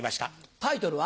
タイトルは？